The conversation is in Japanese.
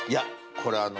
これあの